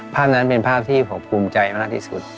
ภาพนั้นเป็นภาพที่ผมภูมิใจมากที่สุด